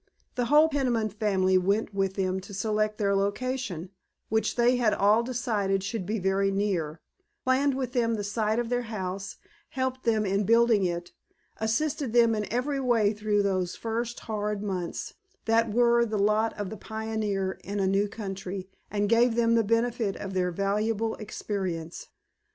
The whole Peniman family went with them to select their location, which they had all decided should be very near, planned with them the site of their house, helped them in building it, assisted them in every way through those first hard months that are the lot of the pioneer in a new country, and gave them the benefit of their valuable experience.